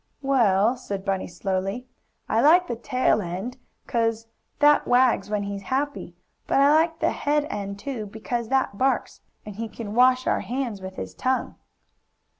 "Well," said Bunny slowly, "I like the tail end, 'cause that wags when he's happy, but I like the head end too, because that barks, and he can wash our hands with his tongue."